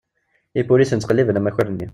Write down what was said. Ipulisen ttqelliben amakar-nni.